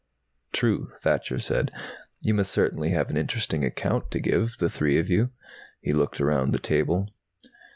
"True," Thacher said. "You must certainly have an interesting account to give, the three of you." He looked around the table.